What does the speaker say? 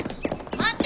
待って！